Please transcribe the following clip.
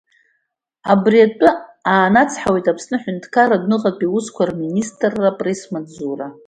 Абри атәы аанацҳауеит Аԥсны Аҳәынҭқарра адәныҟатәи аусқәа рминситрра апресс-маҵзура.